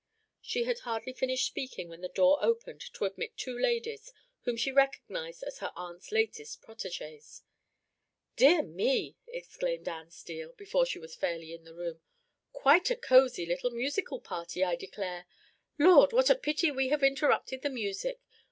She had hardly finished speaking when the door opened to admit two ladies, whom she recognized as her aunt's latest protégées. "Dear me!" exclaimed Anne Steele, before she was fairly in the room; "quite a cosy little musical party, I declare! Lord! what a pity we have interrupted the music!